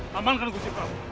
pamankan gusti perabot